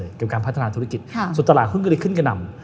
เกี่ยวกับการพัฒนาธุรกิจส่วนตลาดคุณก็เลยขึ้นกระด่ำ